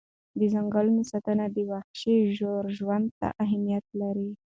د ځنګلونو ساتنه د وحشي ژوو ژوند ته اهمیت لري.